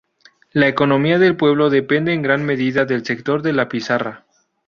La economía del pueblo depende en gran medida del sector de la pizarra.